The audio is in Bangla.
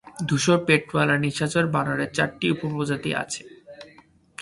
ধূসর পেটওয়ালা নিশাচর বানরের চারটি উপপ্রজাতি আছে।